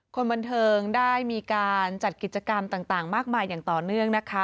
คนบันเทิงได้มีการจัดกิจกรรมต่างมากมายอย่างต่อเนื่องนะคะ